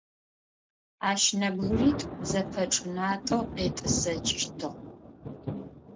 Ащ нэбгыритӏу зэпэчӏынатӏэу къетӏысэкӏыщтыгъ.